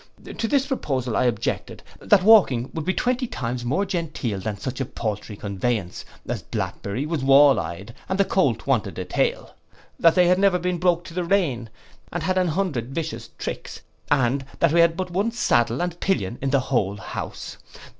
To this proposal I objected, that walking would be twenty times more genteel than such a paltry conveyance, as Blackberry was wall eyed, and the Colt wanted a tail: that they had never been broke to the rein; but had an hundred vicious tricks; and that we had but one saddle and pillion in the whole house.